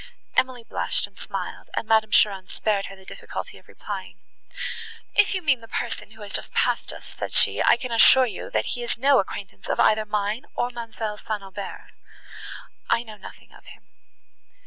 Emily blushed and smiled, and Madame Cheron spared her the difficulty of replying. "If you mean the person, who has just passed us," said she, "I can assure you he is no acquaintance of either mine, or ma'amselle St. Aubert's: I know nothing of him."